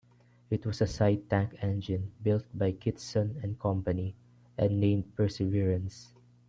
It was a side tank engine, built by Kitson and Company and named "Perseverance".